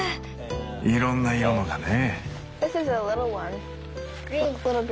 いろんな色のがね。